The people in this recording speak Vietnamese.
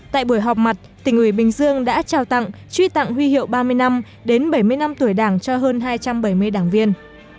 tại buổi họp mặt tỉnh ủy bình dương đã trao tặng truy tặng huy hiệu ba mươi năm bảy mươi năm tuổi đảng cho hơn hai trăm bảy mươi đảng viên